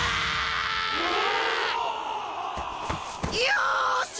よし！